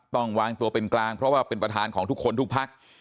ต้องวางตัวเป็นกลางเพราะว่าเป็นประธานของทุกคนทุกพัก